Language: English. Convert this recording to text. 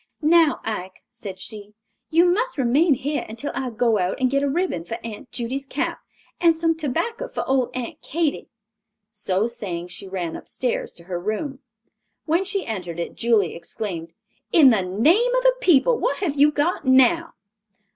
"Now, Ike," said she, "you must remain here until I go out and get a ribbon for Aunt Judy's cap, and some tobacco for old Aunt Katy." So saying she ran upstairs to her room. When she entered it, Julia exclaimed, "In the name of the people, what have you got now?"